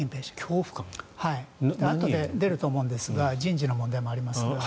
あとで出ると思うんですが人事の問題もあります。